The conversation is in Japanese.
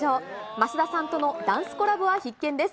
増田さんとのダンスコラボは必見です。